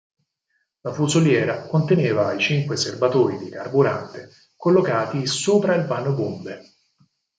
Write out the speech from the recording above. La fusoliera conteneva i cinque serbatoi di carburante collocati sopra il vano bombe.